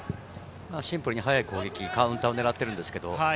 シンプルに速い攻撃、カウンターを狙っています。